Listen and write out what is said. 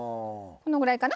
このぐらいかな。